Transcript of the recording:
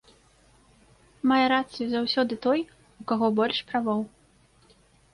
Мае рацыю заўсёды той, у каго больш правоў.